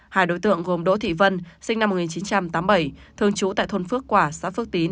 hai đối tượng gồm đỗ thị vân sinh năm một nghìn chín trăm tám mươi bảy thường trú tại thôn phước quả xã phước tín